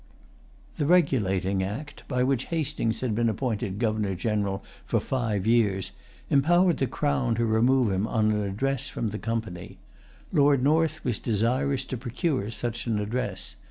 The Regulating Act, by which Hastings had been appointed Governor General for five years, empowered the Crown to remove him on an address from the Company. Lord North was desirous to procure such an address.